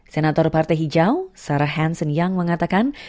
senator partai hijau sarah hansen yang mengatakan